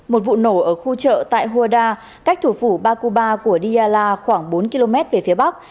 một vụ nổ ở khu chợ tại hoada cách thủ phủ bakuba của diala khoảng bốn km về phía bắc